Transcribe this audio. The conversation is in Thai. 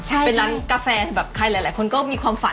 เป็นร้านกาแฟแบบใครหลายคนก็มีความฝัน